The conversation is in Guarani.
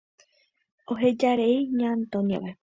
Ohejarei Ña Antonia-pe.